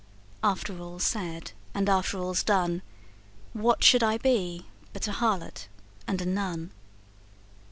After all's said and after all's done, What should I be but a harlot and a nun?